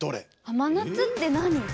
甘夏って何？